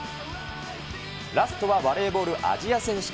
ラストはバレーボールアジア選手権。